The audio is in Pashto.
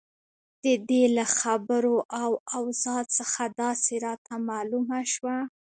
د دې له خبرو او اوضاع څخه داسې راته معلومه شوه.